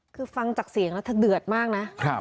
คือฟังจากเสียงแล้วเธอเดือดมากนะ